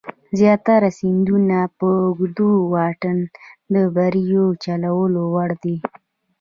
زیاتره سیندونه په اوږده واټن د بېړیو چلولو وړ دي.